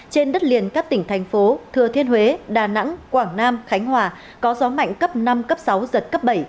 trên đất liền các tỉnh thành phố thừa thiên huế đà nẵng quảng nam khánh hòa có gió mạnh cấp năm cấp sáu giật cấp bảy